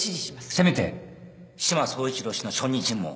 せめて志摩総一郎氏の証人尋問を